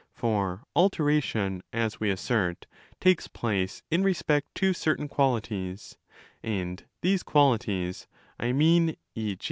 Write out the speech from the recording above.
For 'alteration', as we assert, takes place in respect to certain qualities: and these qualities (I mean, e.